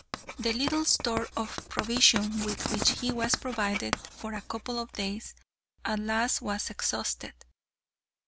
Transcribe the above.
The little store of provision with which he was provided for a couple of days, at last was exhausted.